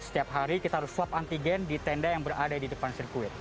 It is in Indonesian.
setiap hari kita harus swab antigen di tenda yang berada di depan sirkuit